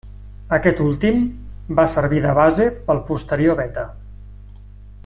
Aquest últim va servir de base pel posterior Beta.